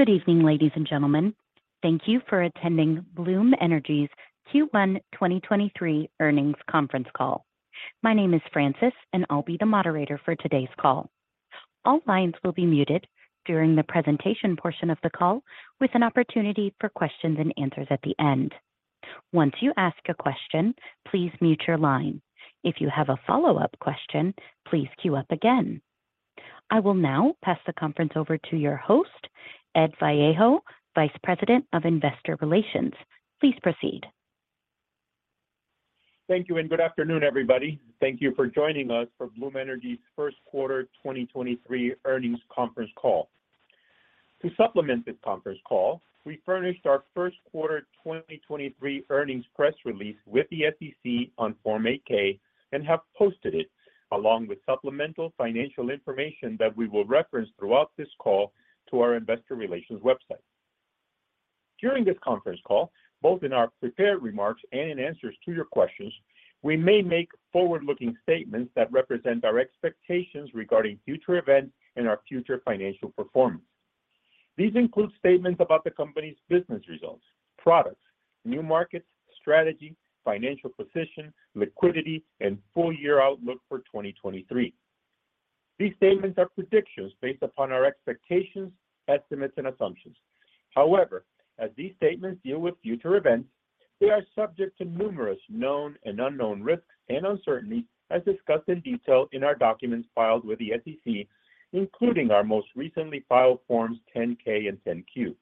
Good evening, ladies and gentlemen. Thank you for attending Bloom Energy's Q1 2023 earnings conference call. My name is Francis, and I'll be the moderator for today's call. All lines will be muted during the presentation portion of the call, with an opportunity for questions and answers at the end. Once you ask a question, please mute your line. If you have a follow-up question, please queue up again. I will now pass the conference over to your host, Ed Vallejo, Vice President of Investor Relations. Please proceed. Thank you, good afternoon, everybody. Thank you for joining us for Bloom Energy's first quarter 2023 earnings conference call. To supplement this conference call, we furnished our first quarter 2023 earnings press release with the SEC on Form 8-K and have posted it, along with supplemental financial information that we will reference throughout this call, to our investor relations website. During this conference call, both in our prepared remarks and in answers to your questions, we may make forward-looking statements that represent our expectations regarding future events and our future financial performance. These include statements about the company's business results, products, new markets, strategy, financial position, liquidity, and full year outlook for 2023. These statements are predictions based upon our expectations, estimates, and assumptions. As these statements deal with future events, they are subject to numerous known and unknown risks and uncertainties as discussed in detail in our documents filed with the SEC, including our most recently filed forms 10-K and 10-Q.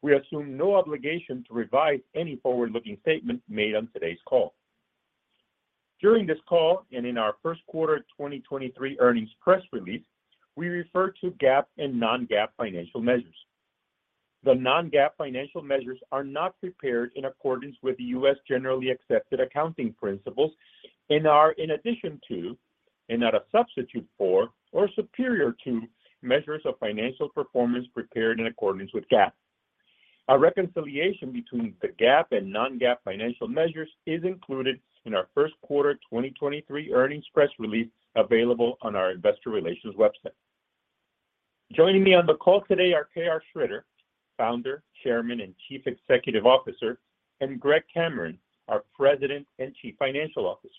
We assume no obligation to revise any forward-looking statements made on today's call. During this call and in our first quarter 2023 earnings press release, we refer to GAAP and non-GAAP financial measures. The non-GAAP financial measures are not prepared in accordance with the U.S. generally accepted accounting principles and are in addition to, and not a substitute for or superior to, measures of financial performance prepared in accordance with GAAP. Our reconciliation between the GAAP and non-GAAP financial measures is included in our first quarter 2023 earnings press release available on our investor relations website. Joining me on the call today are K.R. Sridhar, Founder, Chairman, and Chief Executive Officer, and Greg Cameron, our President and Chief Financial Officer.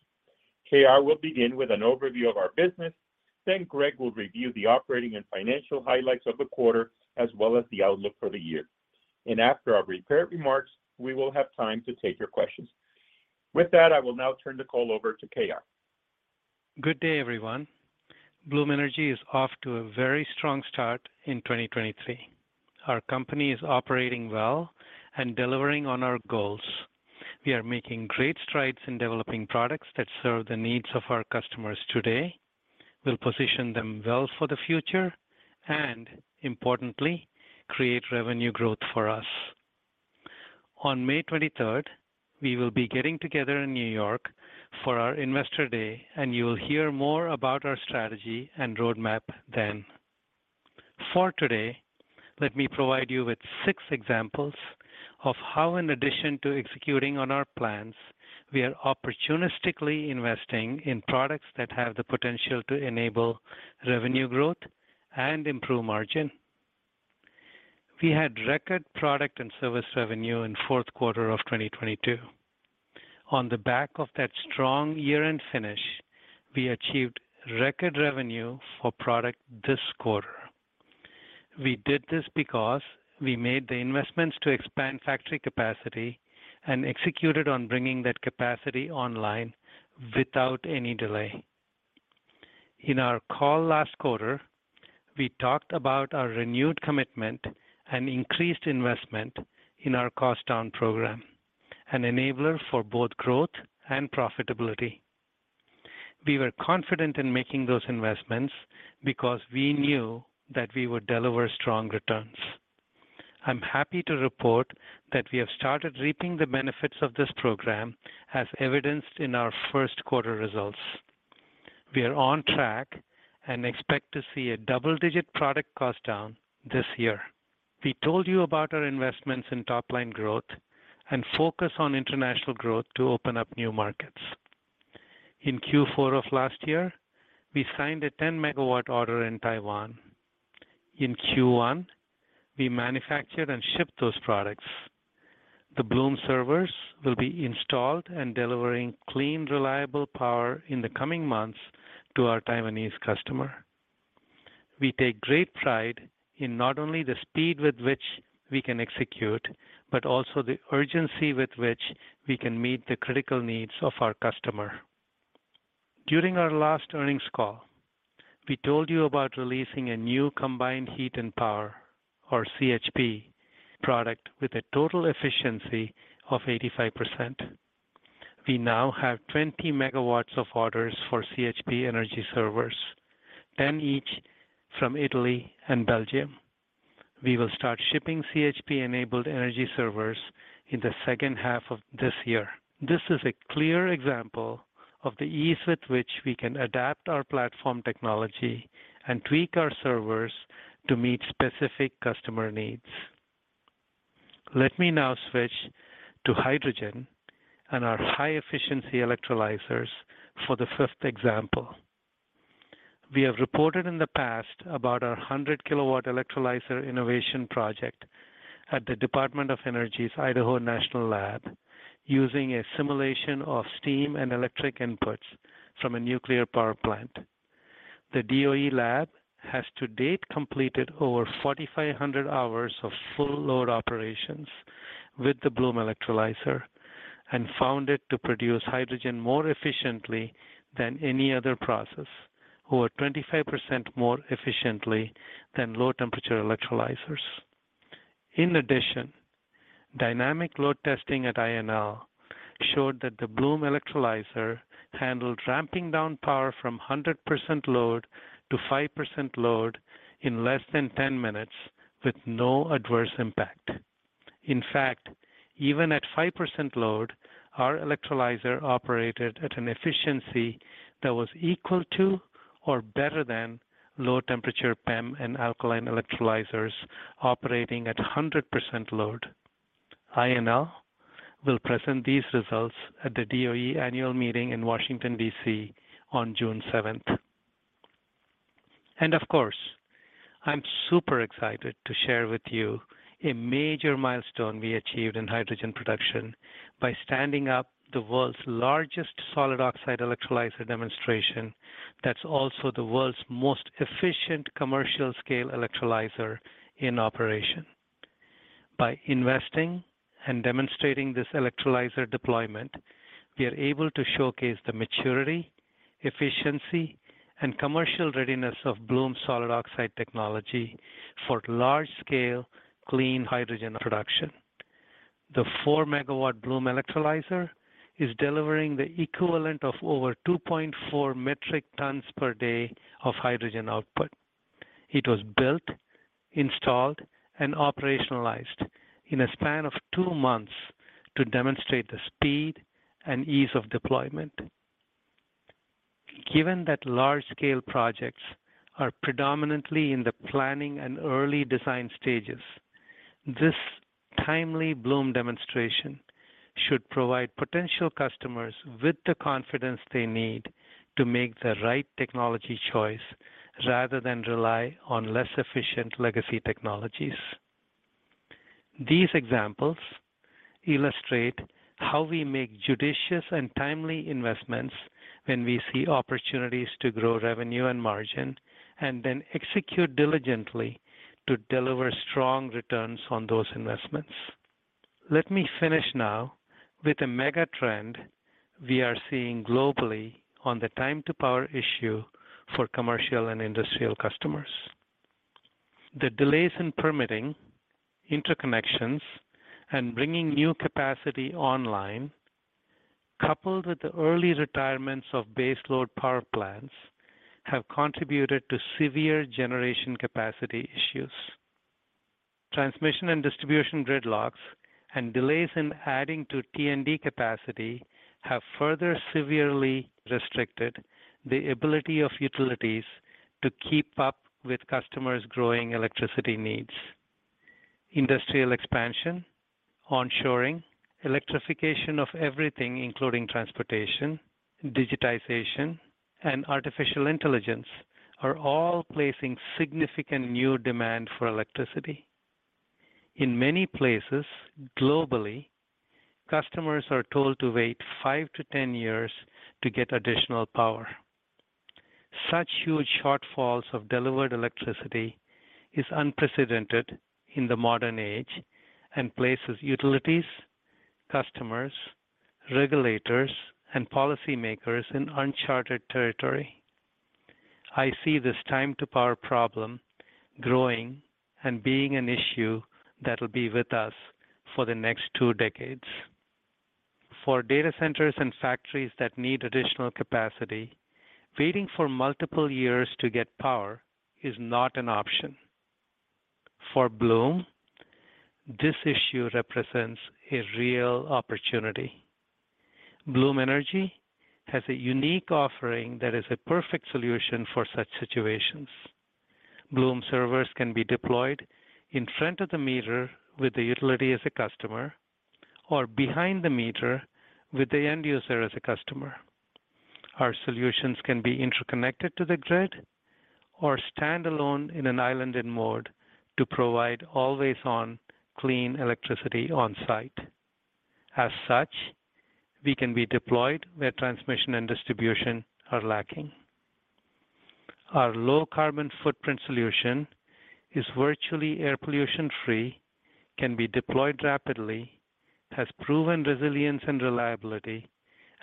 KR will begin with an overview of our business. Greg will review the operating and financial highlights of the quarter, as well as the outlook for the year. After our prepared remarks, we will have time to take your questions. With that, I will now turn the call over to K.R. Good day, everyone. Bloom Energy is off to a very strong start in 2023. Our company is operating well and delivering on our goals. We are making great strides in developing products that serve the needs of our customers today, will position them well for the future, and importantly, create revenue growth for us. On May 23rd, we will be getting together in New York for our Investor Day, and you will hear more about our strategy and roadmap then. For today, let me provide you with six examples of how, in addition to executing on our plans, we are opportunistically investing in products that have the potential to enable revenue growth and improve margin. We had record product and service revenue in Q4 2022. On the back of that strong year-end finish, we achieved record revenue for product this quarter. We did this because we made the investments to expand factory capacity and executed on bringing that capacity online without any delay. In our call last quarter, we talked about our renewed commitment and increased investment in our cost down program, an enabler for both growth and profitability. We were confident in making those investments because we knew that we would deliver strong returns. I'm happy to report that we have started reaping the benefits of this program as evidenced in our first quarter results. We are on track and expect to see a double-digit product cost down this year. We told you about our investments in top line growth and focus on international growth to open up new markets. In Q4 of last year, we signed a 10 MW order in Taiwan. In Q1, we manufactured and shipped those products. The Bloom Energy Servers will be installed and delivering clean, reliable power in the coming months to our Taiwanese customer. We take great pride in not only the speed with which we can execute, but also the urgency with which we can meet the critical needs of our customer. During our last earnings call, we told you about releasing a new combined heat and power, or CHP, product with a total efficiency of 85%. We now have 20 MW of orders for CHP Energy Servers, 10 each from Italy and Belgium. We will start shipping CHP-enabled Energy Servers in the second half of this year. This is a clear example of the ease with which we can adapt our platform technology and tweak our servers to meet specific customer needs. Let me now switch to hydrogen and our high efficiency electrolyzers for the fifth example. We have reported in the past about our 100 kW electrolyzer innovation project at the Department of Energy's Idaho National Lab using a simulation of steam and electric inputs from a nuclear power plant. The DOE lab has to date completed over 4,500 hours of full load operations with the Bloom Electrolyzer and found it to produce hydrogen more efficiently than any other process, over 25% more efficiently than low temperature electrolyzers. In addition, dynamic load testing at INL showed that the Bloom Electrolyzer handled ramping down power from 100% load to 5% load in less than 10 minutes with no adverse impact. In fact, even at 5% load, our electrolyzer operated at an efficiency that was equal to or better than low temperature PEM and alkaline electrolyzers operating at 100% load. INL will present these results at the DOE annual meeting in Washington, D.C. on June 7th. Of course, I'm super excited to share with you a major milestone we achieved in hydrogen production by standing up the world's largest solid oxide electrolyzer demonstration, that's also the world's most efficient commercial scale electrolyzer in operation. By investing and demonstrating this electrolyzer deployment, we are able to showcase the maturity, efficiency, and commercial readiness of Bloom's solid oxide technology for large scale clean hydrogen production. The 4 MW Bloom Electrolyzer is delivering the equivalent of over 2.4 metric tons per day of hydrogen output. It was built, installed, and operationalized in a span of two months to demonstrate the speed and ease of deployment. Given that large-scale projects are predominantly in the planning and early design stages, this timely Bloom demonstration should provide potential customers with the confidence they need to make the right technology choice rather than rely on less efficient legacy technologies. These examples illustrate how we make judicious and timely investments when we see opportunities to grow revenue and margin, and then execute diligently to deliver strong returns on those investments. Let me finish now with a megatrend we are seeing globally on the time to power issue for commercial and industrial customers. The delays in permitting interconnections and bringing new capacity online, coupled with the early retirements of baseload power plants, have contributed to severe generation capacity issues. Transmission and distribution gridlocks and delays in adding to T&D capacity have further severely restricted the ability of utilities to keep up with customers' growing electricity needs. Industrial expansion, onshoring, electrification of everything, including transportation, digitization, and artificial intelligence, are all placing significant new demand for electricity. In many places globally, customers are told to wait five to 10 years to get additional power. Such huge shortfalls of delivered electricity is unprecedented in the modern age and places utilities, customers, regulators, and policymakers in uncharted territory. I see this time to power problem growing and being an issue that will be with us for the next two decades. For data centers and factories that need additional capacity, waiting for multiple years to get power is not an option. For Bloom, this issue represents a real opportunity. Bloom Energy has a unique offering that is a perfect solution for such situations. Bloom servers can be deployed in front of the meter with the utility as a customer or behind the meter with the end user as a customer. Our solutions can be interconnected to the grid or standalone in an always-on islanded mode to provide clean electricity on-site. As such, we can be deployed where transmission and distribution are lacking. Our low-carbon footprint solution is virtually air pollution-free, can be deployed rapidly, has proven resilience and reliability,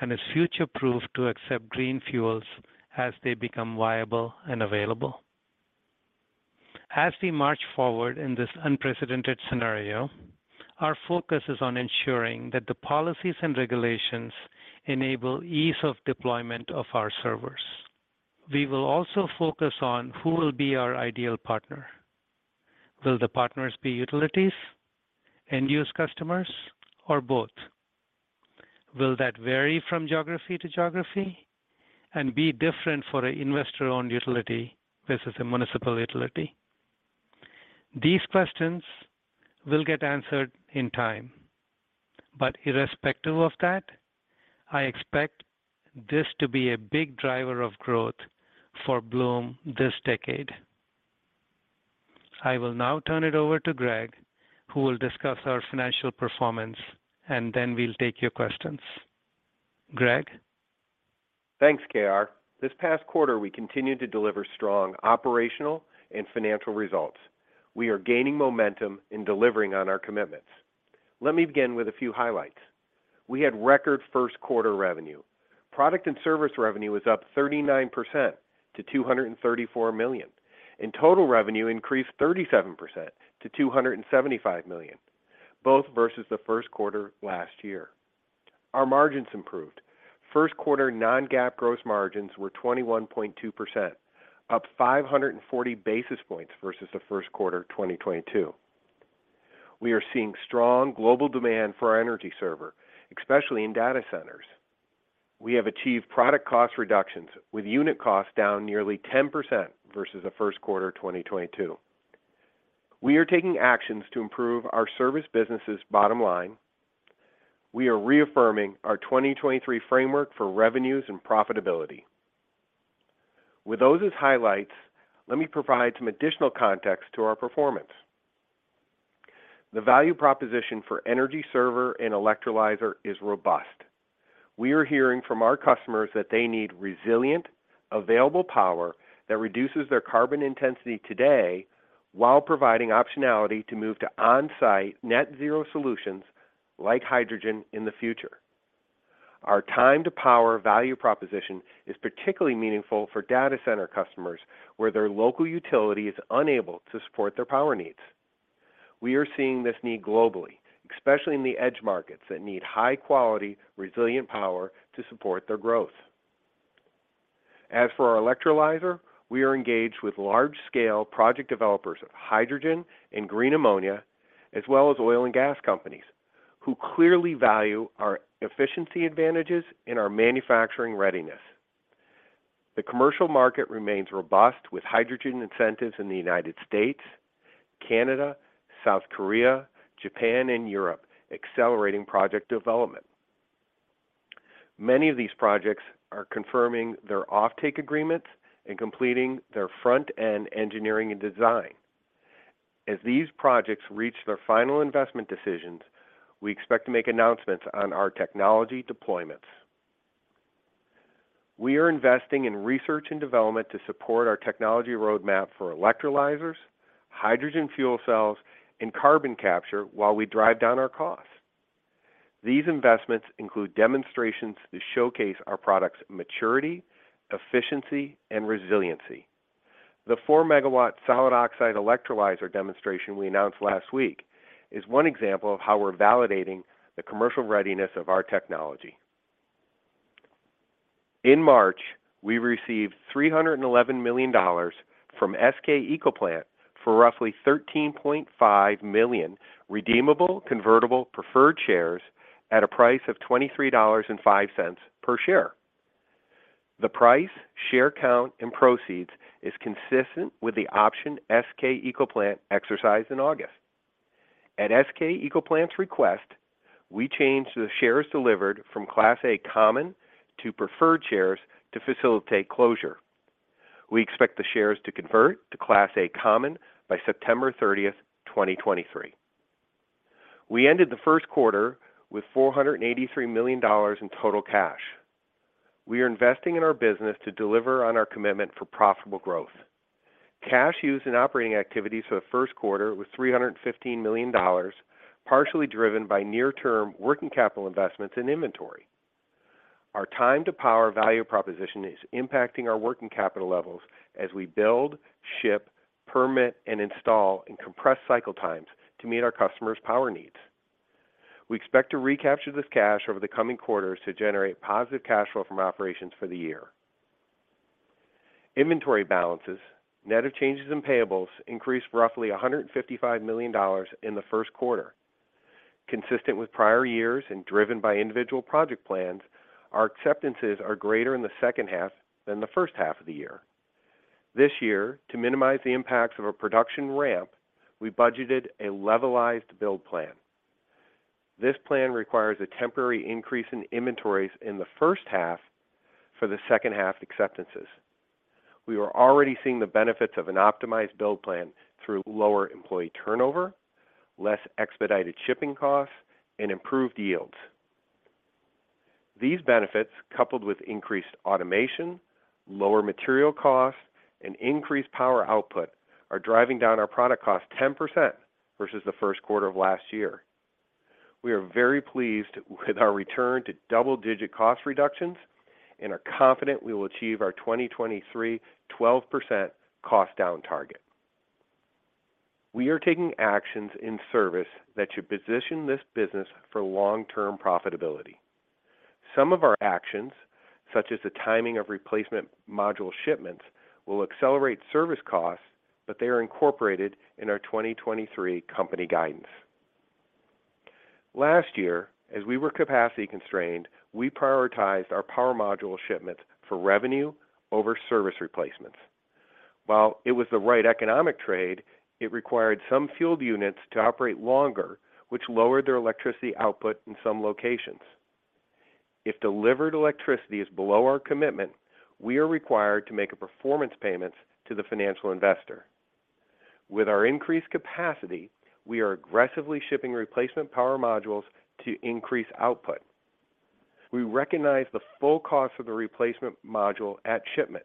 and is future-proof to accept green fuels as they become viable and available. As we march forward in this unprecedented scenario, our focus is on ensuring that the policies and regulations enable ease of deployment of our servers. We will also focus on who will be our ideal partner. Will the partners be utilities, end-use customers, or both? Will that vary from geography to geography and be different for an investor-owned utility versus a municipal utility? These questions will get answered in time. Irrespective of that, I expect this to be a big driver of growth for Bloom this decade. I will now turn it over to Greg, who will discuss our financial performance, and then we'll take your questions. Greg? Thanks, K.R. This past quarter, we continued to deliver strong operational and financial results. We are gaining momentum in delivering on our commitments. Let me begin with a few highlights. We had record first quarter revenue. Product and service revenue was up 39% to $234 million, and total revenue increased 37% to $275 million, both versus the first quarter last year. Our margins improved. First quarter non-GAAP gross margins were 21.2%, up 540 basis points versus the first quarter of 2022. We are seeing strong global demand for our Energy Server, especially in data centers. We have achieved product cost reductions with unit costs down nearly 10% versus the first quarter of 2022. We are taking actions to improve our service business' bottom line. We are reaffirming our 2023 framework for revenues and profitability. Those as highlights, let me provide some additional context to our performance. The value proposition for Energy Server and Electrolyzer is robust. We are hearing from our customers that they need resilient, available power that reduces their carbon intensity today while providing optionality to move to on-site net zero solutions like hydrogen in the future. Our time to power value proposition is particularly meaningful for data center customers where their local utility is unable to support their power needs. We are seeing this need globally, especially in the edge markets that need high quality, resilient power to support their growth. For our Electrolyzer, we are engaged with large-scale project developers of hydrogen and green ammonia, as well as oil and gas companies who clearly value our efficiency advantages and our manufacturing readiness. The commercial market remains robust with hydrogen incentives in the United States, Canada, South Korea, Japan, and Europe accelerating project development. Many of these projects are confirming their offtake agreements and completing their front-end engineering and design. As these projects reach their final investment decisions, we expect to make announcements on our technology deployments. We are investing in research and development to support our technology roadmap for electrolyzers, hydrogen fuel cells, and carbon capture while we drive down our costs. These investments include demonstrations to showcase our products' maturity, efficiency, and resiliency. The 4 MW solid oxide electrolyzer demonstration we announced last week is one example of how we're validating the commercial readiness of our technology. In March, we received $311 million from SK ecoplant for roughly 13.5 million redeemable convertible preferred shares at a price of $23.05 per share. The price, share count, and proceeds is consistent with the option SK ecoplant exercised in August. At SK ecoplant's request, we changed the shares delivered from Class A common to preferred shares to facilitate closure. We expect the shares to convert to Class A common by September 30th, 2023. We ended the first quarter with $483 million in total cash. We are investing in our business to deliver on our commitment for profitable growth. Cash used in operating activities for the first quarter was $315 million, partially driven by near-term working capital investments in inventory. Our time to power value proposition is impacting our working capital levels as we build, ship, permit, and install in compressed cycle times to meet our customers' power needs. We expect to recapture this cash over the coming quarters to generate positive cash flow from operations for the year. Inventory balances, net of changes in payables, increased roughly $155 million in the first quarter. Consistent with prior years and driven by individual project plans, our acceptances are greater in the second half than the first half of the year. This year, to minimize the impacts of a production ramp, we budgeted a levelized build plan. This plan requires a temporary increase in inventories in the first half for the second half acceptances. We are already seeing the benefits of an optimized build plan through lower employee turnover, less expedited shipping costs, and improved yields. These benefits, coupled with increased automation, lower material costs, and increased power output, are driving down our product cost 10% versus the first quarter of last year. We are very pleased with our return to double-digit cost reductions and are confident we will achieve our 2023 12% cost down target. We are taking actions in service that should position this business for long-term profitability. Some of our actions, such as the timing of replacement module shipments, will accelerate service costs, but they are incorporated in our 2023 company guidance. Last year, as we were capacity constrained, we prioritized our power module shipments for revenue over service replacements. While it was the right economic trade, it required some field units to operate longer, which lowered their electricity output in some locations. If delivered electricity is below our commitment, we are required to make a performance payment to the financial investor. With our increased capacity, we are aggressively shipping replacement power modules to increase output. We recognize the full cost of the replacement module at shipment.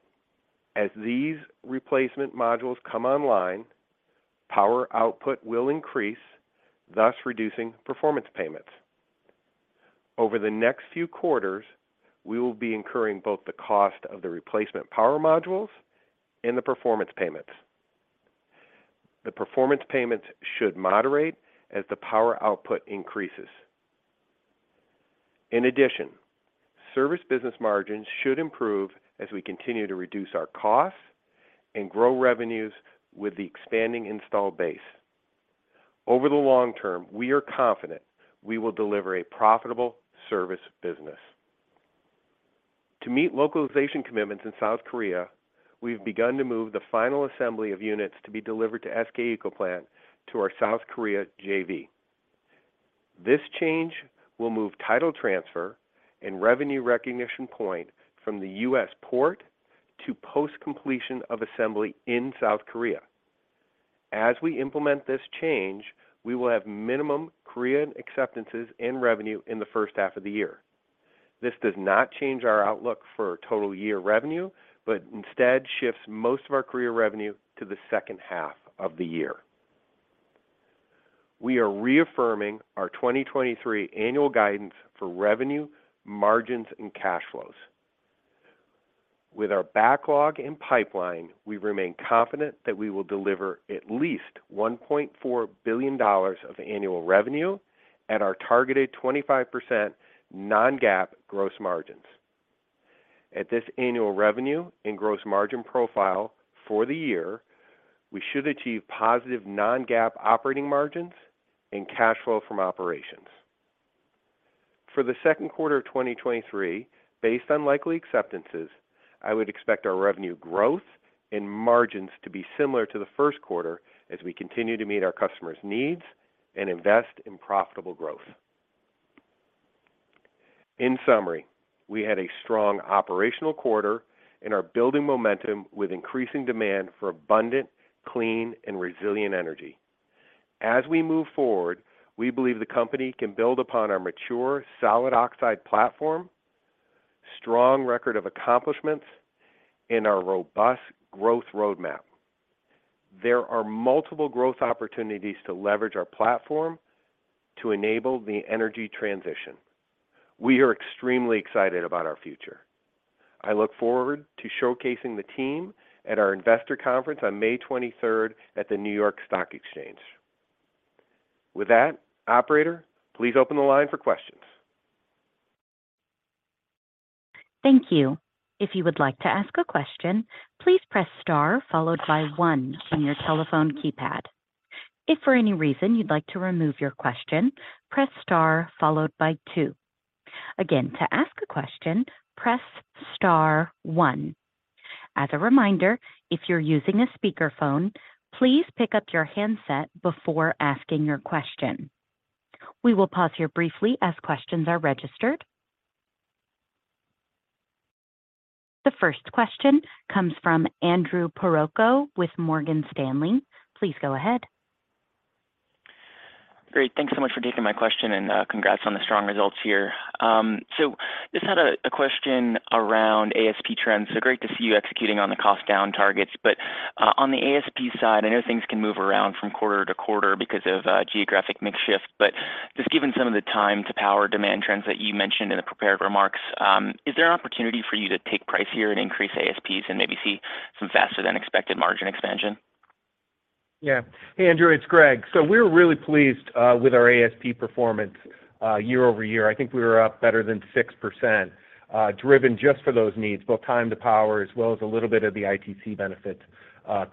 As these replacement modules come online, power output will increase, thus reducing performance payments. Over the next few quarters, we will be incurring both the cost of the replacement power modules and the performance payments. The performance payments should moderate as the power output increases. In addition, service business margins should improve as we continue to reduce our costs and grow revenues with the expanding installed base. Over the long term, we are confident we will deliver a profitable service business. To meet localization commitments in South Korea, we've begun to move the final assembly of units to be delivered to SK ecoplant to our South Korea JV. This change will move title transfer and revenue recognition point from the U.S. port to post-completion of assembly in South Korea. As we implement this change, we will have minimum Korean acceptances and revenue in the first half of the year. This does not change our outlook for total year revenue, instead shifts most of our career revenue to the second half of the year. We are reaffirming our 2023 annual guidance for revenue, margins, and cash flows. With our backlog and pipeline, we remain confident that we will deliver at least $1.4 billion of annual revenue at our targeted 25% non-GAAP gross margins. At this annual revenue and gross margin profile for the year, we should achieve positive non-GAAP operating margins and cash flow from operations. For the second quarter of 2023, based on likely acceptances, I would expect our revenue growth and margins to be similar to the first quarter as we continue to meet our customers' needs and invest in profitable growth. In summary, we had a strong operational quarter and are building momentum with increasing demand for abundant, clean and resilient energy. As we move forward, we believe the company can build upon our mature solid oxide platform, strong record of accomplishments, and our robust growth roadmap. There are multiple growth opportunities to leverage our platform to enable the energy transition. We are extremely excited about our future. I look forward to showcasing the team at our investor conference on May 23rd at the New York Stock Exchange. Operator, please open the line for questions. Thank you. If you would like to ask a question, please press star followed by one from your telephone keypad. If for any reason you'd like to remove your question, press star followed by two. Again, to ask a question, press star one. As a reminder, if you're using a speakerphone, please pick up your handset before asking your question. We will pause here briefly as questions are registered. The first question comes from Andrew Percoco with Morgan Stanley. Please go ahead. Great. Thanks so much for taking my question and congrats on the strong results here. Just had a question around ASP trends. Great to see you executing on the cost down targets. On the ASP side, I know things can move around from quarter to quarter because of geographic mix shift. Just given some of the time to power demand trends that you mentioned in the prepared remarks, is there opportunity for you to take price here and increase ASPs and maybe see some faster than expected margin expansion? Yeah. Hey, Andrew, it's Greg. We're really pleased with our ASP performance year-over-year. I think we were up better than 6% driven just for those needs, both time to power as well as a little bit of the ITC benefits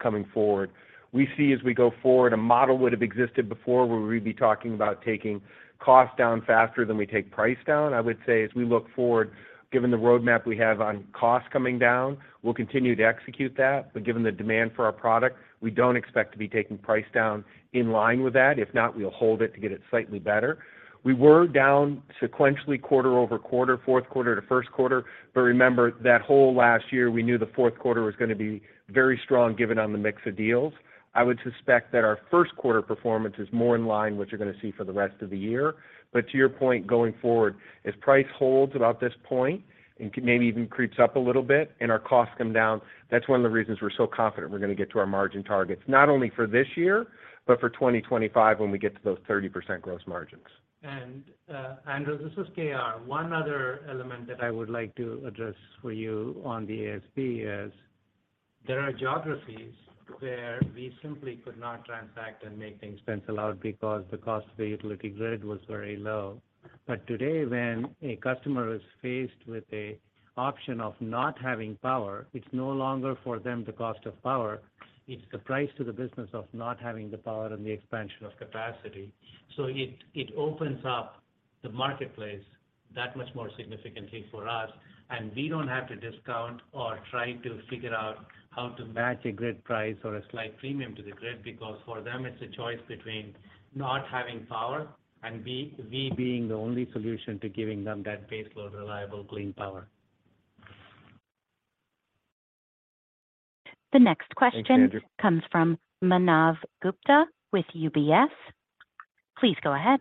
coming forward. We see as we go forward, a model would have existed before where we'd be talking about taking cost down faster than we take price down. I would say as we look forward, given the roadmap we have on cost coming down, we'll continue to execute that. Given the demand for our product, we don't expect to be taking price down in line with that. If not, we'll hold it to get it slightly better. We were down sequentially quarter-over-quarter, fourth quarter to first quarter. Remember that whole last year, we knew the fourth quarter was going to be very strong given on the mix of deals. I would suspect that our first quarter performance is more in line, what you're going to see for the rest of the year. To your point going forward, if price holds about this point and maybe even creeps up a little bit and our costs come down, that's one of the reasons we're so confident we're going to get to our margin targets, not only for this year, but for 2025 when we get to those 30% gross margins. Andrew, this is K.R. One other element that I would like to address for you on the ASP is there are geographies where we simply could not transact and make things pencil out because the cost of the utility grid was very low. Today, when a customer is faced with an option of not having power, it's no longer for them the cost of power, it's the price to the business of not having the power and the expansion of capacity. It opens up the marketplace that much more significantly for us, and we don't have to discount or try to figure out how to match a grid price or a slight premium to the grid, because for them it's a choice between not having power and we being the only solution to giving them that baseload, reliable, clean power. The next question. Thanks, Andrew. comes from Manav Gupta with UBS. Please go ahead.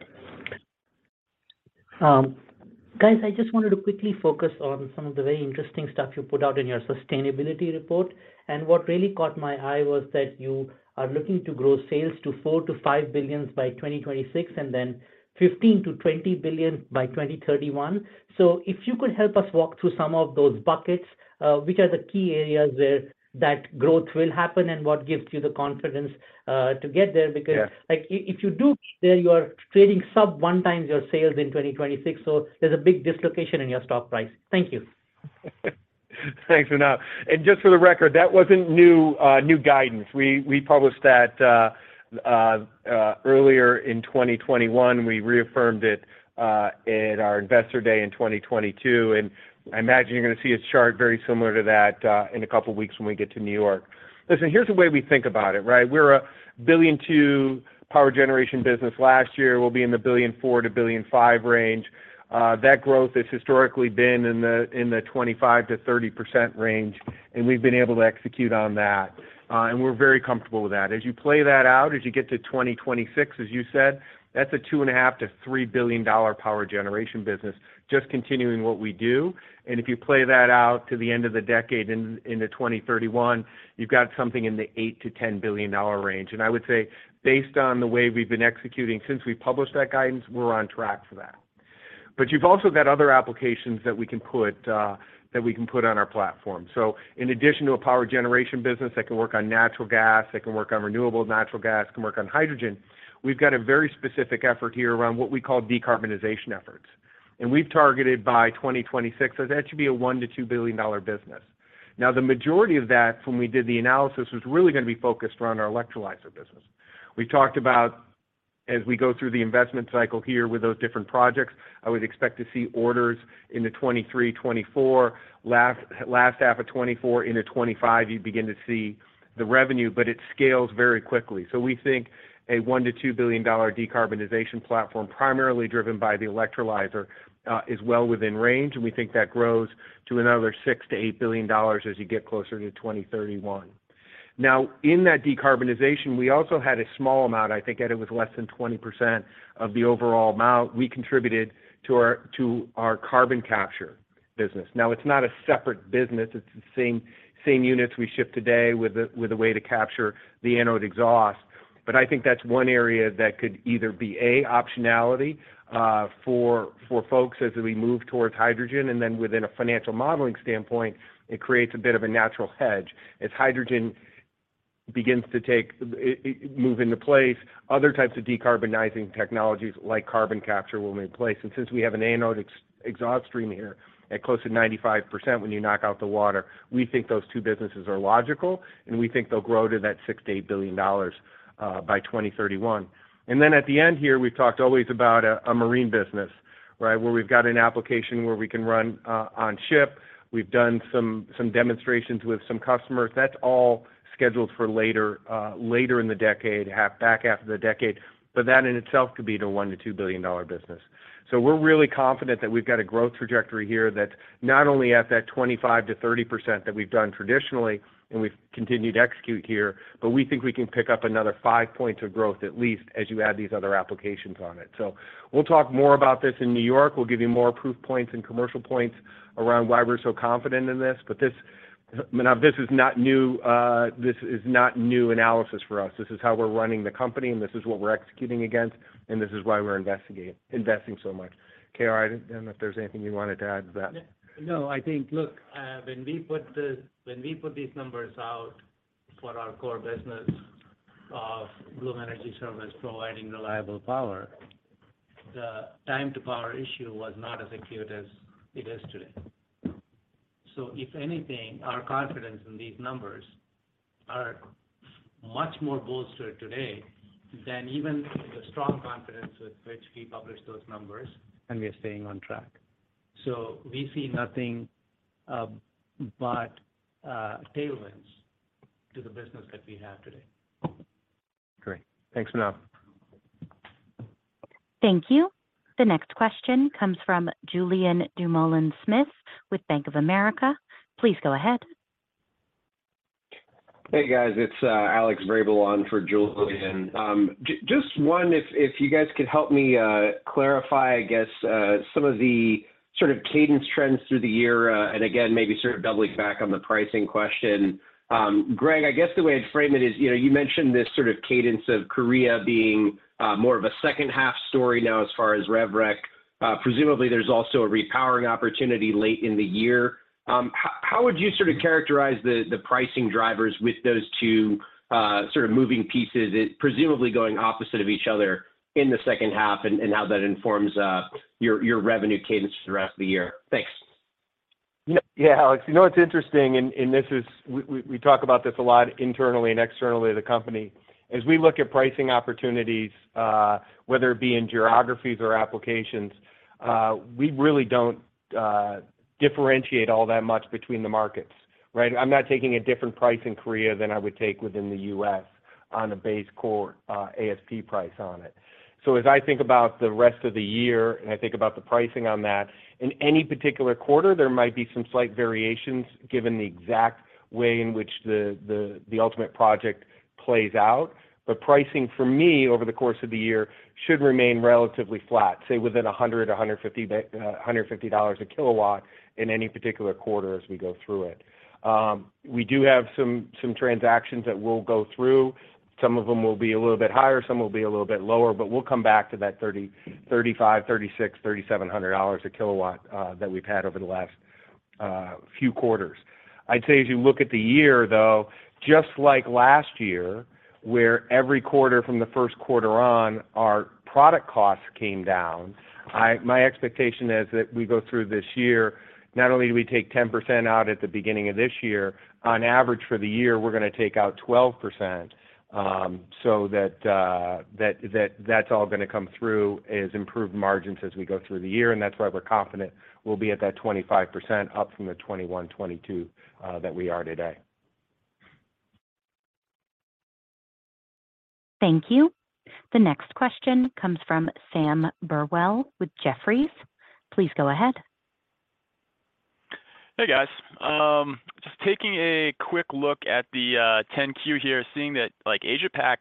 Guys, I just wanted to quickly focus on some of the very interesting stuff you put out in your sustainability report. What really caught my eye was that you are looking to grow sales to $4 billion-$5 billion by 2026, and then $15 billion-$20 billion by 2031. If you could help us walk through some of those buckets, which are the key areas where that growth will happen and what gives you the confidence to get there? Yeah. Because, like, if you do get there, you are creating sub one times your sales in 2026, there's a big dislocation in your stock price. Thank you. Thanks, Manav. Just for the record, that wasn't new guidance. We published that earlier in 2021. We reaffirmed it at our Investor Day in 2022. I imagine you're gonna see a chart very similar to that in a couple weeks when we get to New York. Listen, here's the way we think about it, right? We're a $1.2 billion power generation business last year. We'll be in the $1.4 billion-$1.5 billion range. That growth has historically been in the 25%-30% range, and we've been able to execute on that. We're very comfortable with that. As you play that out, as you get to 2026, as you said, that's a $2.5 billion-$3 billion power generation business, just continuing what we do. If you play that out to the end of the decade in, into 2031, you've got something in the $8 billion-$10 billion range. I would say, based on the way we've been executing since we published that guidance, we're on track for that. You've also got other applications that we can put on our platform. In addition to a power generation business that can work on natural gas, that can work on renewable natural gas, can work on hydrogen, we've got a very specific effort here around what we call decarbonization efforts. We've targeted by 2026, so that should be a $1 billion-$2 billion business. The majority of that, when we did the analysis, was really gonna be focused around our Electrolyzer business. We talked about as we go through the investment cycle here with those different projects, I would expect to see orders into 2023, 2024. Last half of 2024 into 2025, you begin to see the revenue, it scales very quickly. We think a $1 billion-$2 billion decarbonization platform, primarily driven by the electrolyzer, is well within range, and we think that grows to another $6 billion-$8 billion as you get closer to 2031. In that decarbonization, we also had a small amount, I think, Ed, it was less than 20% of the overall amount we contributed to our carbon capture business. It's not a separate business, it's the same units we ship today with a way to capture the anode exhaust. I think that's one area that could either be, A, optionality, for folks as we move towards hydrogen, and then within a financial modeling standpoint, it creates a bit of a natural hedge. As hydrogen begins to move into place, other types of decarbonizing technologies like carbon capture will be in place. Since we have an anode exhaust stream here at close to 95% when you knock out the water, we think those two businesses are logical, and we think they'll grow to that $6 billion-$8 billion by 2031. Then at the end here, we've talked always about a marine business, right? Where we've got an application where we can run on ship. We've done some demonstrations with some customers. That's all scheduled for later in the decade, back after the decade. That in itself could be a $1 billion-$2 billion business. We're really confident that we've got a growth trajectory here that's not only at that 25%-30% that we've done traditionally and we've continued to execute here, but we think we can pick up another five points of growth at least as you add these other applications on it. We'll talk more about this in New York. We'll give you more proof points and commercial points around why we're so confident in this. This, Manav, this is not new, this is not new analysis for us. This is how we're running the company and this is what we're executing against, and this is why we're investing so much. K.R., I don't know if there's anything you wanted to add to that. I think, look, when we put these numbers out for our core business of Bloom Energy service providing reliable power, the time to power issue was not as acute as it is today. If anything, our confidence in these numbers are much more bolstered today than even the strong confidence with which we published those numbers, and we are staying on track. We see nothing but tailwinds to the business that we have today. Great. Thanks, Manav. Thank you. The next question comes from Julien Dumoulin-Smith with Bank of America. Please go ahead. Hey, guys. It's Alex Vrabel on for Julien. Just one, if you guys could help me clarify, I guess some of the sort of cadence trends through the year, again, maybe sort of doubling back on the pricing question. Greg, I guess the way I'd frame it is, you know, you mentioned this sort of cadence of Korea being more of a second half story now as far as rev rec. Presumably, there's also a repowering opportunity late in the year. How would you sort of characterize the pricing drivers with those two sort of moving pieces, presumably going opposite of each other in the second half, and how that informs your revenue cadence throughout the year? Thanks. Yeah, Alex, you know, it's interesting, we talk about this a lot internally and externally at the company. As we look at pricing opportunities, whether it be in geographies or applications, we really don't differentiate all that much between the markets, right? I'm not taking a different price in Korea than I would take within the U.S. on a base core ASP price on it. As I think about the rest of the year, and I think about the pricing on that, in any particular quarter, there might be some slight variations given the exact way in which the ultimate project plays out. Pricing for me over the course of the year should remain relatively flat, say within $150 a kilowatt in any particular quarter as we go through it. We do have some transactions that will go through. Some of them will be a little bit higher, some will be a little bit lower, but we'll come back to that $3,000-$3,700 a kilowatt that we've had over the last few quarters. I'd say if you look at the year though, just like last year, where every quarter from the 1st quarter on, our product costs came down. My expectation is that we go through this year, not only do we take 10% out at the beginning of this year, on average for the year, we're gonna take out 12%, so that's all gonna come through as improved margins as we go through the year, and that's why we're confident we'll be at that 25% up from the 21%, 22% that we are today. Thank you. The next question comes from Sam Burwell with Jefferies. Please go ahead. Hey, guys. Just taking a quick look at the 10-Q here, seeing that Asia Pac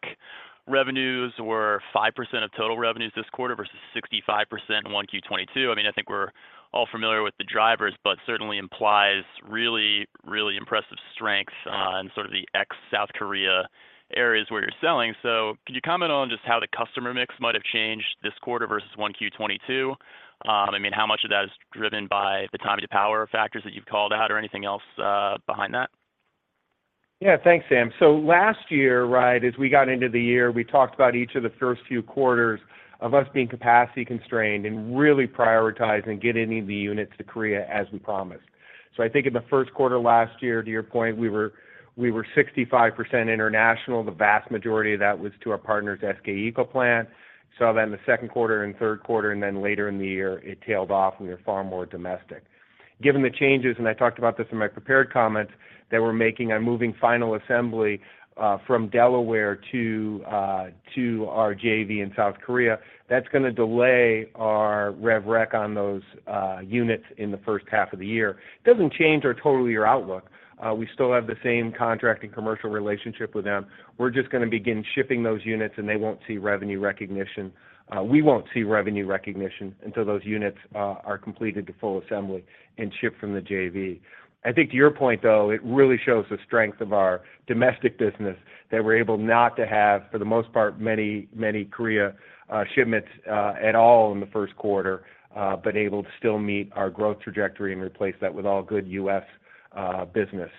revenues were 5% of total revenues this quarter versus 65% in 1Q 2022. I mean, I think we're all familiar with the drivers, but certainly implies really, really impressive strength in sort of the ex-South Korea areas where you're selling. Can you comment on just how the customer mix might have changed this quarter versus Q1 2022? I mean, how much of that is driven by the time to power factors that you've called out or anything else behind that? Thanks, Sam. Last year, right, as we got into the year, we talked about each of the first few quarters of us being capacity constrained and really prioritizing getting the units to Korea as we promised. I think in the first quarter last year, to your point, we were 65% international. The vast majority of that was to our partners, SK ecoplant. The second quarter and third quarter, and then later in the year, it tailed off. We were far more domestic. Given the changes, and I talked about this in my prepared comments, that we're making on moving final assembly from Delaware to our JV in South Korea, that's gonna delay our rev rec on those units in the first half of the year. It doesn't change our total year outlook. We still have the same contract and commercial relationship with them. We're just gonna begin shipping those units. They won't see revenue recognition. We won't see revenue recognition until those units are completed to full assembly and ship from the JV. I think to your point, though, it really shows the strength of our domestic business that we're able not to have, for the most part, many Korea shipments at all in the first quarter, able to still meet our growth trajectory and replace that with all good U.S. business.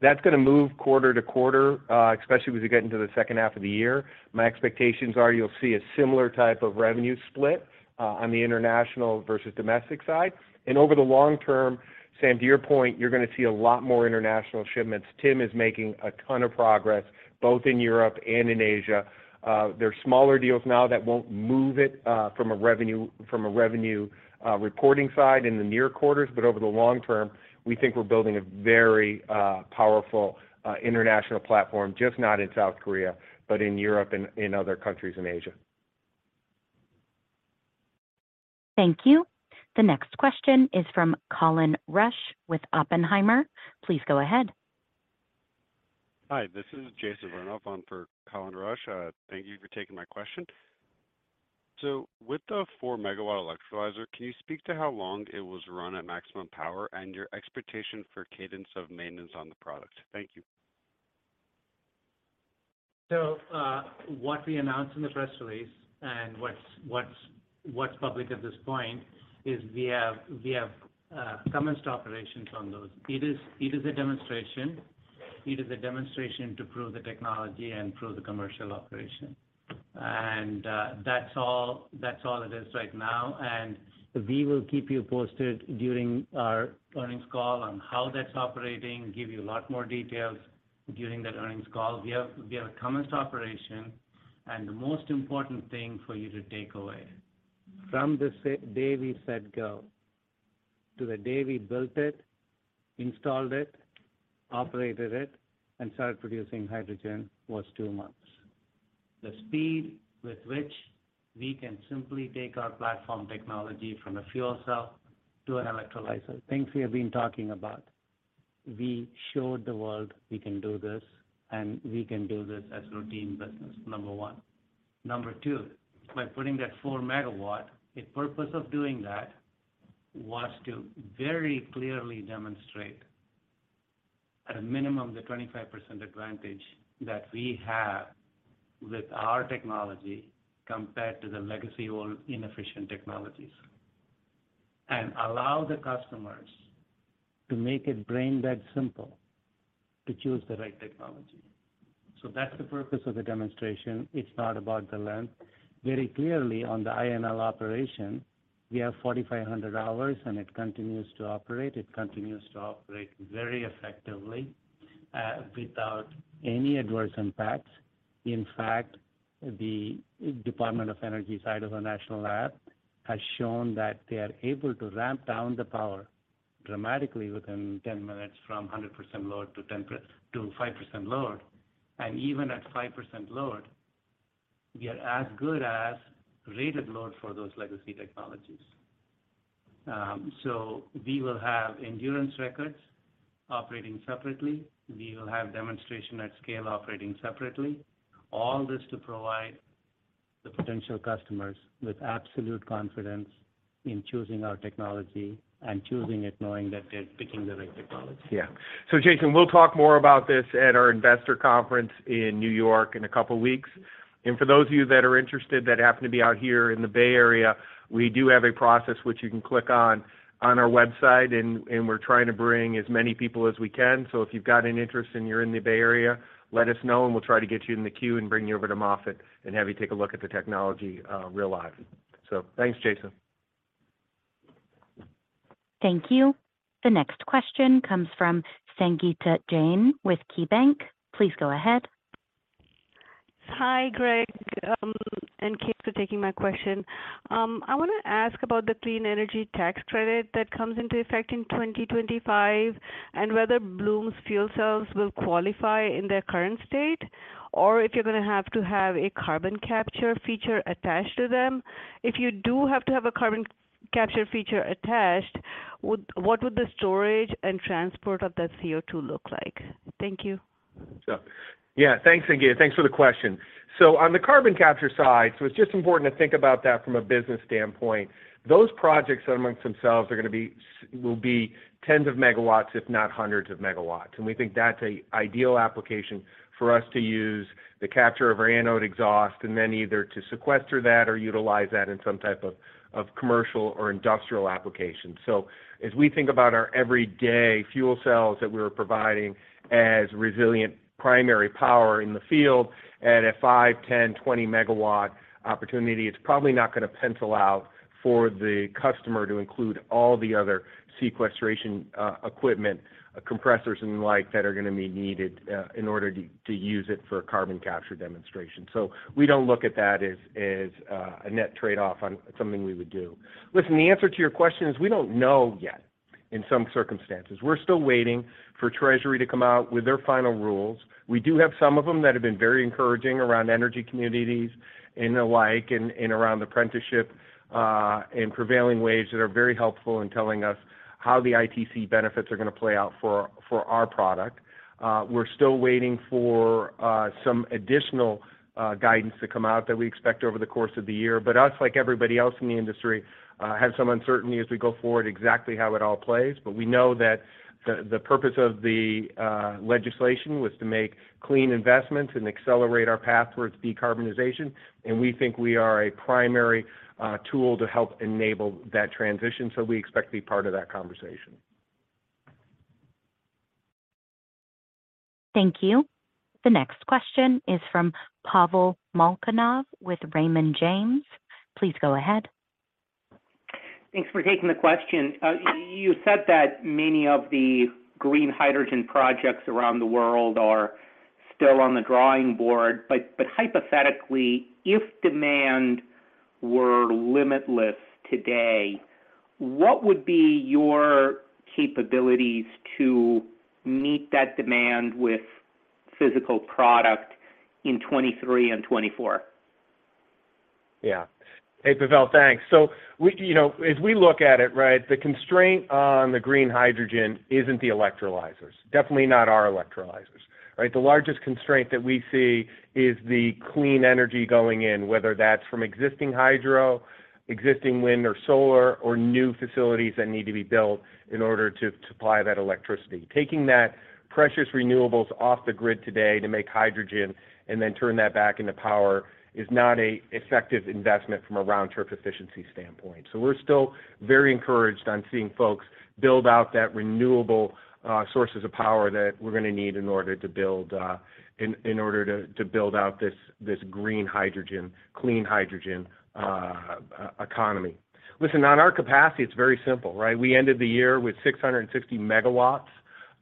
That's gonna move quarter to quarter, especially as we get into the second half of the year. My expectations are you'll see a similar type of revenue split on the international versus domestic side. Over the long term, Sam, to your point, you're gonna see a lot more international shipments. Tim is making a ton of progress, both in Europe and in Asia. There are smaller deals now that won't move it from a revenue reporting side in the near quarters. Over the long term, we think we're building a very powerful international platform, just not in South Korea, but in Europe and in other countries in Asia. Thank you. The next question is from Colin Rusch with Oppenheimer. Please go ahead. Hi, this is Jason Vernoff on for Colin Rusch. Thank you for taking my question. With the 4 MW Electrolyzer, can you speak to how long it was run at maximum power and your expectation for cadence of maintenance on the product? Thank you. What we announced in the press release and what's public at this point is we have commenced operations on those. It is a demonstration. It is a demonstration to prove the technology and prove the commercial operation. That's all it is right now. We will keep you posted during our earnings call on how that's operating, give you a lot more details during that earnings call. We have commenced operation. The most important thing for you to take away, from this day we said go to the day we built it, installed it, operated it, and started producing hydrogen was two months. The speed with which we can simply take our platform technology from a fuel cell to an Electrolyzer, things we have been talking about. We showed the world we can do this, and we can do this as routine business, number one. Number two, by putting that 4 MW, the purpose of doing that was to very clearly demonstrate at a minimum the 25% advantage that we have with our technology compared to the legacy old inefficient technologies. Allow the customers to make it brain-dead simple to choose the right technology. That's the purpose of the demonstration. It's not about the length. Very clearly, on the INL operation, we have 4,500 hours, and it continues to operate. It continues to operate very effectively, without any adverse impacts. In fact, the Department of Energy side of the national lab has shown that they are able to ramp down the power dramatically within 10 minutes from 100% load to 5% load. Even at 5% load, we are as good as rated load for those legacy technologies. We will have endurance records operating separately. We will have demonstration at scale operating separately. All this to provide the potential customers with absolute confidence in choosing our technology and choosing it knowing that they're picking the right technology. Yeah. Jason, we'll talk more about this at our investor conference in New York in a couple weeks. For those of you that are interested that happen to be out here in the Bay Area, we do have a process which you can click on on our website and we're trying to bring as many people as we can. If you've got an interest and you're in the Bay Area, let us know, and we'll try to get you in the queue and bring you over to Moffett and have you take a look at the technology, real live. Thanks, Jason. Thank you. The next question comes from Sangita Jain with KeyBank. Please go ahead. Hi, Greg, thanks for taking my question. I wanna ask about the clean energy tax credit that comes into effect in 2025, and whether Bloom's fuel cells will qualify in their current state, or if you're gonna have to have a carbon capture feature attached to them. If you do have to have a carbon capture feature attached, what would the storage and transport of that CO2 look like? Thank you. Yeah, thanks, Sangita. Thanks for the question. On the carbon capture side, it's just important to think about that from a business standpoint. Those projects amongst themselves are gonna be tens of megawatts if not hundreds of megawatts. We think that's a ideal application for us to use the capture of our anode exhaust and then either to sequester that or utilize that in some type of commercial or industrial application. As we think about our everyday fuel cells that we're providing as resilient primary power in the field at a 5 MW, 10MW, 20 MW opportunity, it's probably not gonna pencil out for the customer to include all the other sequestration equipment, compressors and the like, that are gonna be needed in order to use it for a carbon capture demonstration. We don't look at that as a net trade-off on something we would do. Listen, the answer to your question is we don't know yet, in some circumstances. We're still waiting for Treasury to come out with their final rules. We do have some of them that have been very encouraging around energy communities and the like, and around apprenticeship and prevailing wage that are very helpful in telling us how the ITC benefits are gonna play out for our product. We're still waiting for some additional guidance to come out that we expect over the course of the year. Us, like everybody else in the industry, have some uncertainty as we go forward exactly how it all plays. We know that the purpose of the legislation was to make clean investments and accelerate our path towards decarbonization. We think we are a primary tool to help enable that transition. We expect to be part of that conversation. Thank you. The next question is from Pavel Molchanov with Raymond James. Please go ahead. Thanks for taking the question. You said that many of the green hydrogen projects around the world are still on the drawing board. Hypothetically, if demand were limitless today, what would be your capabilities to meet that demand with physical product in 2023 and 2024? Yeah. Hey, Pavel, thanks. We, you know, as we look at it, right? The constraint on the green hydrogen isn't the electrolyzers, definitely not our electrolyzers, right? The largest constraint that we see is the clean energy going in, whether that's from existing hydro, existing wind or solar, or new facilities that need to be built in order to supply that electricity. Taking that precious renewables off the grid today to make hydrogen and then turn that back into power is not a effective investment from a round-trip efficiency standpoint. We're still very encouraged on seeing folks build out that renewable sources of power that we're gonna need in order to build in order to build out this green hydrogen, clean hydrogen economy. Listen, on our capacity, it's very simple, right? We ended the year with 660 MW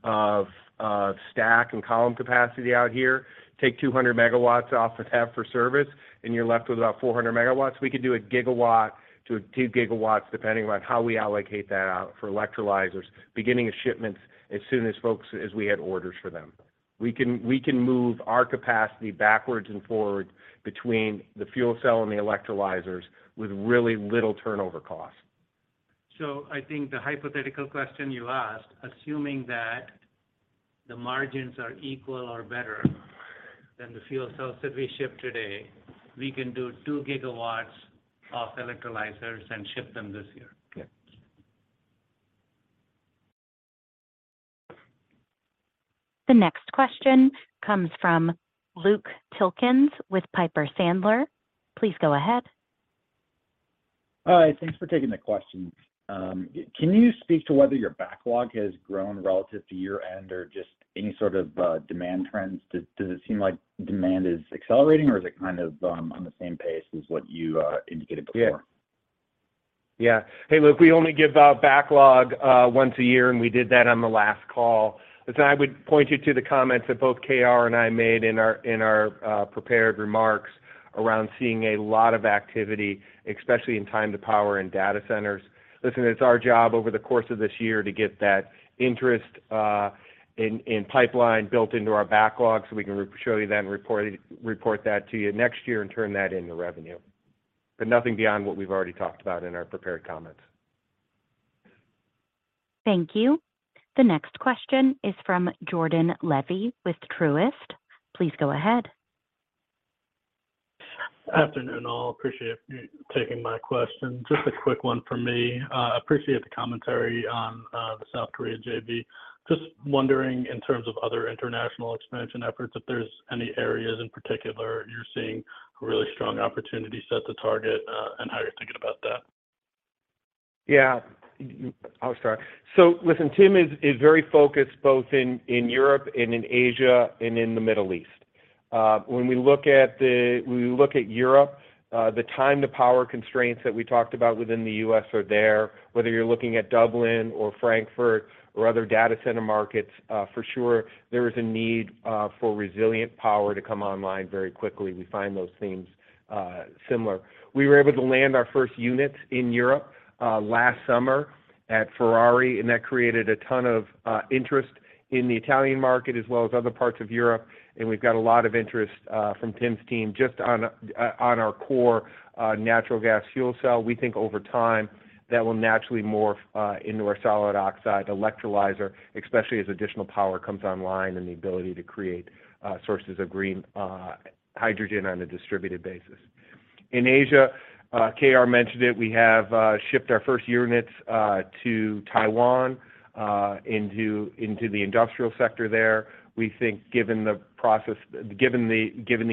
of stack and column capacity out here. Take 200 MW off the tab for service, and you're left with about 400 MW. We could do 1 GW to 2 GW, depending on how we allocate that out for Electrolyzers, beginning of shipments as soon as we had orders for them. We can move our capacity backwards and forwards between the fuel cell and the Electrolyzers with really little turnover cost. I think the hypothetical question you asked, assuming that the margins are equal or better than the fuel cells that we ship today, we can do 2 GW of electrolyzers and ship them this year. Okay. The next question comes from Luke Tilkens with Piper Sandler. Please go ahead. Hi, thanks for taking the question. Can you speak to whether your backlog has grown relative to year-end or just any sort of demand trends? Does it seem like demand is accelerating or is it kind of on the same pace as what you indicated before? Yeah. Yeah. Hey, look, we only give out backlog, once a year. We did that on the last call. Listen, I would point you to the comments that both K.R. and I made in our, in our, prepared remarks around seeing a lot of activity, especially in time to power and data centers. Listen, it's our job over the course of this year to get that interest, in pipeline built into our backlog so we can show you then, report that to you next year and turn that into revenue. Nothing beyond what we've already talked about in our prepared comments. Thank you. The next question is from Jordan Levy with Truist. Please go ahead. Afternoon, all. Appreciate you taking my question. Just a quick one from me. Appreciate the commentary on the South Korea JV. Just wondering in terms of other international expansion efforts, if there's any areas in particular you're seeing a really strong opportunity set to target, and how you're thinking about that? I'll start. Listen, Tim is very focused both in Europe and in Asia and in the Middle East. When we look at Europe, the time to power constraints that we talked about within the US are there, whether you're looking at Dublin or Frankfurt or other data center markets, for sure there is a need for resilient power to come online very quickly. We find those themes similar. We were able to land our first units in Europe last summer at Ferrari, and that created a ton of interest in the Italian market as well as other parts of Europe. We've got a lot of interest from Tim's team just on our core natural gas fuel cell. We think over time that will naturally morph into our solid oxide electrolyzer, especially as additional power comes online and the ability to create sources of green hydrogen on a distributed basis. In Asia, K.R. mentioned it, we have shipped our first units to Taiwan into the industrial sector there. We think given the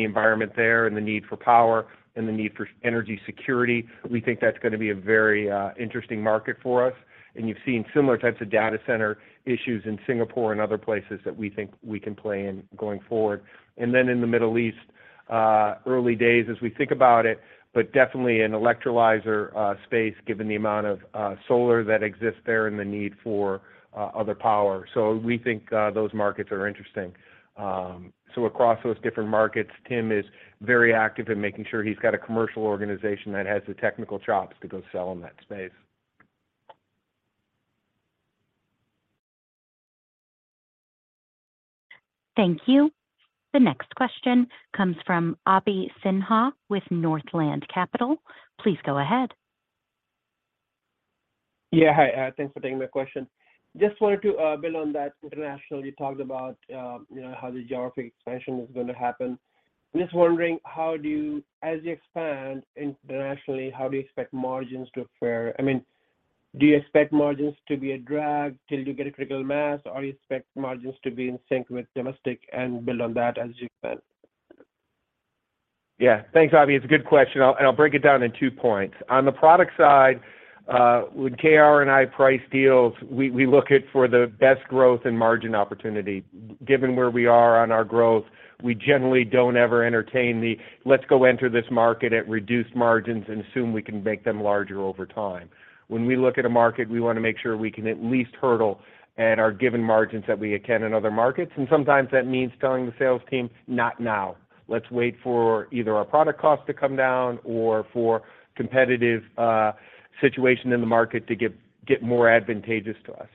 environment there and the need for power and the need for energy security, we think that's gonna be a very interesting market for us. You've seen similar types of data center issues in Singapore and other places that we think we can play in going forward. In the Middle East, early days as we think about it, but definitely an electrolyzer space, given the amount of solar that exists there and the need for other power. We think those markets are interesting. Across those different markets, Tim is very active in making sure he's got a commercial organization that has the technical chops to go sell in that space. Thank you. The next question comes from Abhi Sinha with Northland Capital. Please go ahead. Yeah. Hi, thanks for taking my question. Just wanted to build on that international. You talked about, you know, how the geographic expansion is going to happen. Just wondering, as you expand internationally, how do you expect margins to fare? I mean, do you expect margins to be a drag till you get a critical mass, or you expect margins to be in sync with domestic and build on that as you expand? Thanks, Abhi. It's a good question. I'll break it down in two points. On the product side, when KR and I price deals, we look at for the best growth and margin opportunity. Given where we are on our growth, we generally don't ever entertain the, "Let's go enter this market at reduced margins and assume we can make them larger over time." When we look at a market, we want to make sure we can at least hurdle at our given margins that we can in other markets. Sometimes that means telling the sales team, "Not now. Let's wait for either our product cost to come down or for competitive situation in the market to get more advantageous to us."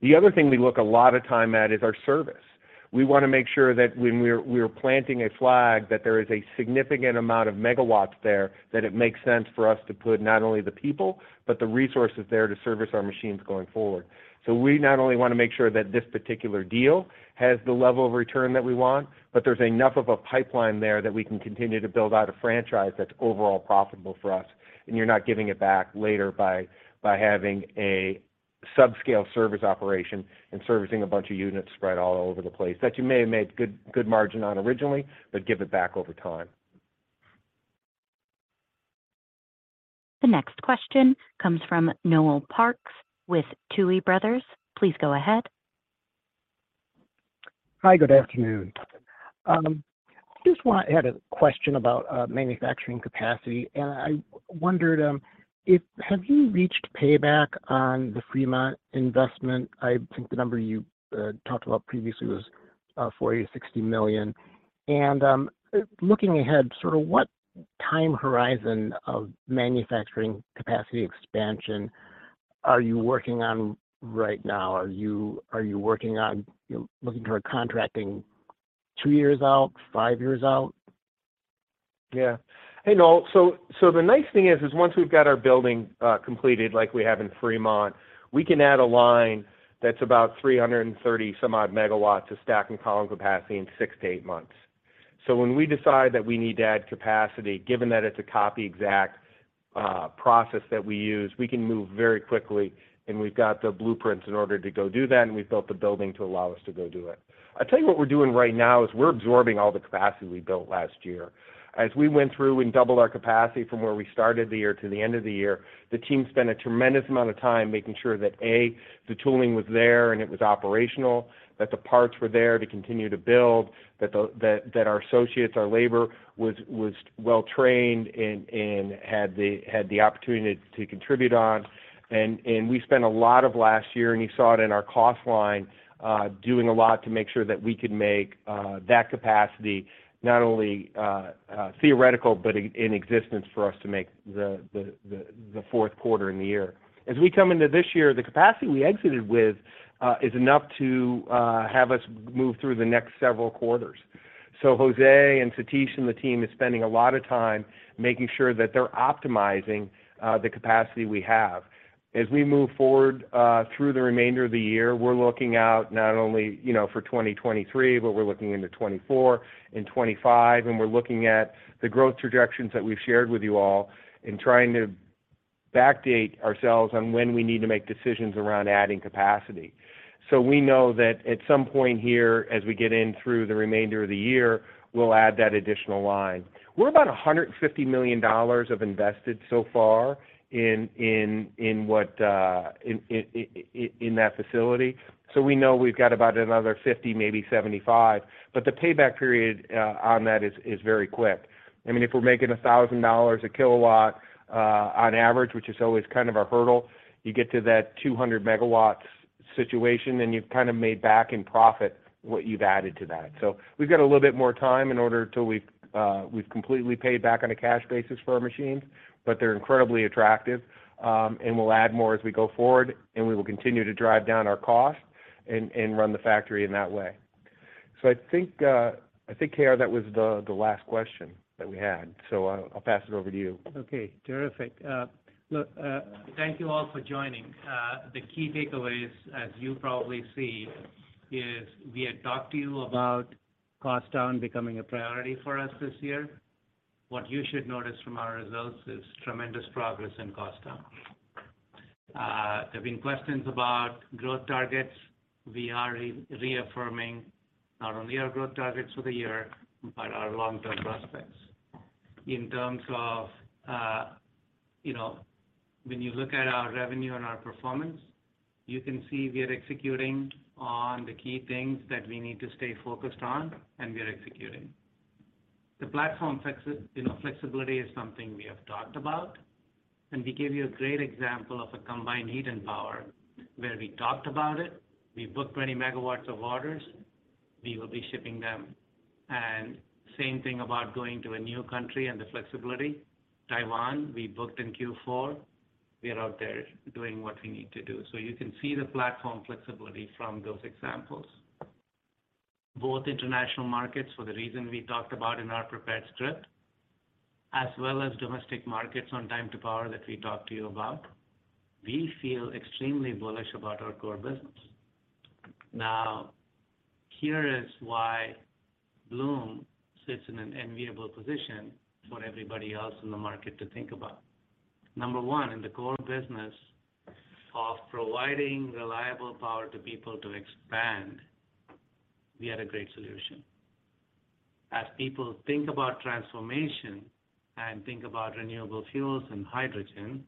The other thing we look a lot of time at is our service. We want to make sure that when we're planting a flag, that there is a significant amount of megawatts there, that it makes sense for us to put not only the people, but the resources there to service our machines going forward. We not only want to make sure that this particular deal has the level of return that we want, but there's enough of a pipeline there that we can continue to build out a franchise that's overall profitable for us, and you're not giving it back later by having a subscale service operation and servicing a bunch of units spread all over the place that you may have made good margin on originally, but give it back over time. The next question comes from Noel Parks with Tuohy Brothers. Please go ahead. Hi, good afternoon. Just had a question about manufacturing capacity. I wondered, have you reached payback on the Fremont investment? I think the number you talked about previously was $40 million-$60 million. Looking ahead, sort of what time horizon of manufacturing capacity expansion are you working on right now? Are you working on looking for contracting two years out, five years out? Yeah. Hey, Noel. The nice thing is, once we've got our building completed like we have in Fremont, we can add a line that's about 330 some odd megawatts of stack and column capacity in 6 to 8 months. When we decide that we need to add capacity, given that it's a copy exact process that we use, we can move very quickly, and we've got the blueprints in order to go do that, and we've built the building to allow us to go do it. I tell you what we're doing right now is we're absorbing all the capacity we built last year. As we went through and doubled our capacity from where we started the year to the end of the year, the team spent a tremendous amount of time making sure that, A, the tooling was there and it was operational, that the parts were there to continue to build, that our associates, our labor was well trained and had the opportunity to contribute on. We spent a lot of last year, and you saw it in our cost line, doing a lot to make sure that we could make that capacity not only theoretical, but in existence for us to make the fourth quarter in the year. As we come into this year, the capacity we exited with is enough to have us move through the next several quarters. Jose and Satish and the team is spending a lot of time making sure that they're optimizing the capacity we have. As we move forward through the remainder of the year, we're looking out not only, you know, for 2023, but we're looking into 2024 and 2025, and we're looking at the growth trajectories that we've shared with you all and trying to backdate ourselves on when we need to make decisions around adding capacity. We know that at some point here, as we get in through the remainder of the year, we'll add that additional line. We're about $150 million of invested so far in that facility. We know we've got about another $50, maybe $75, but the payback period on that is very quick. I mean, if we're making $1,000 a kW on average, which is always kind of our hurdle, you get to that 200 MW situation, you've kind of made back in profit what you've added to that. We've got a little bit more time in order till we've completely paid back on a cash basis for our machines, but they're incredibly attractive. We'll add more as we go forward, we will continue to drive down our costs and run the factory in that way. I think, I think, K.R., that was the last question that we had, I'll pass it over to you. Okay. Terrific. Look, thank you all for joining. The key takeaways, as you probably see, is we had talked to you about cost down becoming a priority for us this year. What you should notice from our results is tremendous progress in cost down. There's been questions about growth targets. We are reaffirming not only our growth targets for the year, but our long-term prospects. In terms of, you know, when you look at our revenue and our performance, you can see we are executing on the key things that we need to stay focused on, and we are executing. The platform, you know, flexibility is something we have talked about, and we gave you a great example of a combined heat and power, where we talked about it, we booked 20 MW of orders, we will be shipping them. Same thing about going to a new country and the flexibility. Taiwan, we booked in Q4. We are out there doing what we need to do. You can see the platform flexibility from those examples. Both international markets for the reason we talked about in our prepared script, as well as domestic markets on time to power that we talked to you about. We feel extremely bullish about our core business. Now, here is why Bloom sits in an enviable position for everybody else in the market to think about. Number one, in the core business of providing reliable power to people to expand, we had a great solution. As people think about transformation and think about renewable fuels and hydrogen,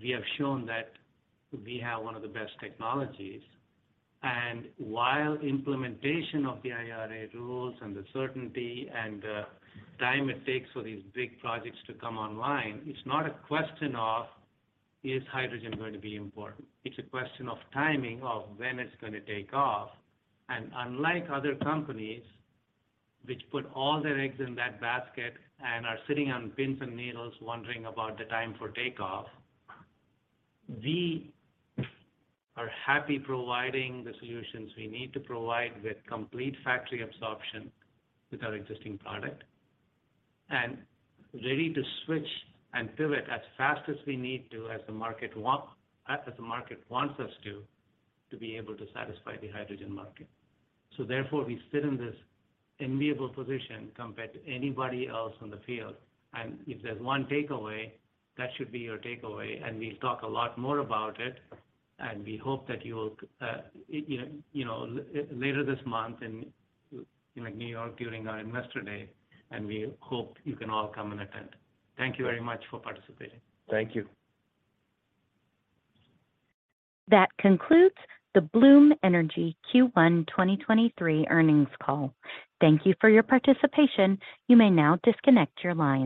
we have shown that we have one of the best technologies. While implementation of the IRA rules and the certainty and the time it takes for these big projects to come online, it's not a question of, is hydrogen going to be important? It's a question of timing of when it's gonna take off. Unlike other companies which put all their eggs in that basket and are sitting on pins and needles wondering about the time for takeoff, we are happy providing the solutions we need to provide with complete factory absorption with our existing product. Ready to switch and pivot as fast as we need to, as the market wants us to be able to satisfy the hydrogen market. Therefore, we sit in this enviable position compared to anybody else on the field. If there's one takeaway, that should be your takeaway. We'll talk a lot more about it, and we hope that you will, you know, later this month in, like, New York during our Investor Day, and we hope you can all come and attend. Thank you very much for participating. Thank you. That concludes the Bloom Energy Q1 2023 earnings call. Thank you for your participation. You may now disconnect your lines.